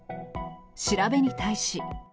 調べに対し。